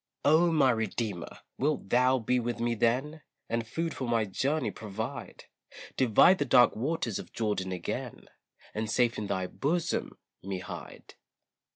Oh! my Redeemer, wilt thou be with me then, And food for my journey provide, Divide the dark waters of Jordan again, And safe in thy bosom me hide.